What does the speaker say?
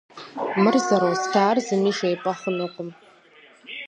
Мыр зэростар зыми жепӏэ хъунукъым.